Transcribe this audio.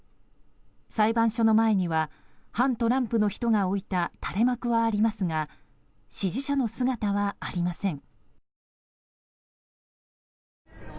裁判所の前には反トランプの人が置いた垂れ幕はありますが支持者の姿はありません。